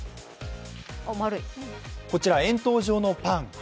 こちら、円筒状のパン。